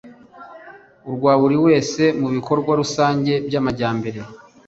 urwa buri wese mu bikorwa rusange by'amajyambere